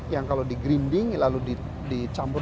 yang kalau di grinding lalu dicampur